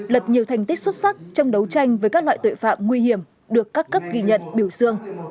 lập nhiều thành tích xuất sắc trong đấu tranh với các loại tội phạm nguy hiểm được các cấp ghi nhận biểu dương